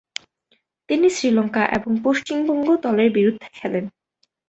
তিনি শ্রীলঙ্কা এবং পশ্চিমবঙ্গ দলের বিরুদ্ধে খেলেন।